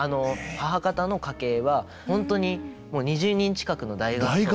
母方の家系は本当にもう２０人近くの大合奏が。